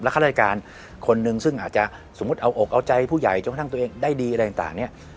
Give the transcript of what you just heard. และคลาศกาลคนนึงซึ่งอาจจะสมมติเอาอกเอาใจผู้ใหญ่จงตั้งตัวเองได้ดีอะไรต่าง